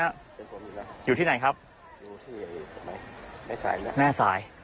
เป็นฝนอยู่แล้วอยู่ที่ไหนครับอยู่ที่ไหนแม่สายไหมแม่สาย